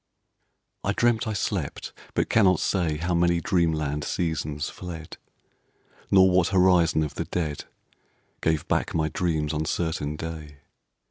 ... I dreamt I slept, but cannot say How many dreamland seasons fled, Nor what horizon of the dead Gave back my dream's uncertain day.